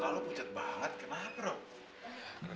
mak lo pucat banget kenapa rok